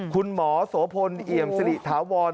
คุณหมอโสพลเอี่ยมสิริถาวร